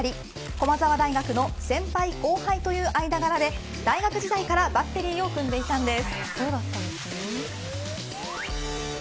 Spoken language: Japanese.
駒澤大学の先輩後輩という間柄で大学時代からバッテリーを組んでいたんです。